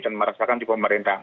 dan meraksakan di pemerintah